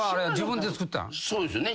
そうですよね。